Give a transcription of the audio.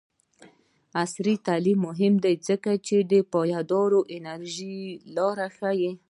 عصري تعلیم مهم دی ځکه چې د پایداره انرژۍ لارې ښيي.